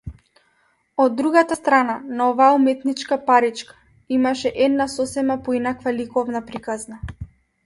Од другата страна на оваа уметничка паричка, имаше една сосема поинаква ликовна приказна.